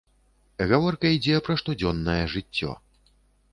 Гаворка ідзе пра штодзённае жыццё.